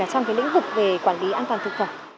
trong lĩnh vực về quản lý an toàn thực phẩm